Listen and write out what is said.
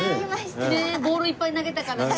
ボールいっぱい投げたからね。